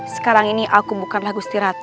sekarang ini aku bukanlah gusta ratu